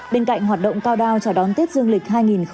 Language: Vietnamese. bên cạnh hoạt động cao đao chào đón tết dương lịch hai nghìn hai mươi bốn